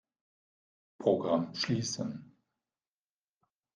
Programm schließen.